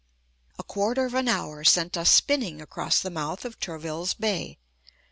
A quarter of an hour sent us spinning across the mouth of Turvill's Bay.